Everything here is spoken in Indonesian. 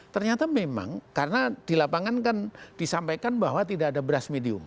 ternyata memang karena di lapangan kan disampaikan bahwa tidak ada beras medium